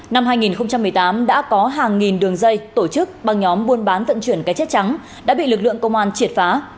năm hai nghìn một mươi tám đã có hàng nghìn đường dây tổ chức băng nhóm buôn bán vận chuyển cái chết trắng đã bị lực lượng công an triệt phá